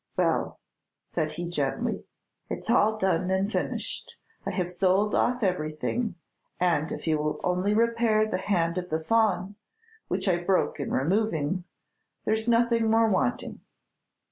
"Well," said he, gently, "it's all done and finished. I have sold off everything, and if you will only repair the hand of the Faun, which I broke in removing, there's nothing more wanting."